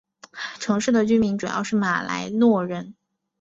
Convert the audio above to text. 城市的居民主要是马来诺人。